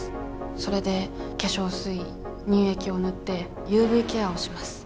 それで化粧水乳液を塗ってＵＶケアをします。